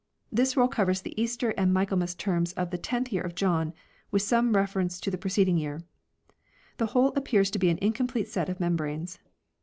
This roll covers the Easter and Michaelmas terms of the tenth year of John, with some reference to the preced ing year. The whole appears to be an incomplete set of membranes.